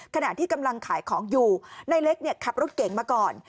ขณะที่กำลังขายของอยู่ในเล็กขับรถเก๋งมาก่อน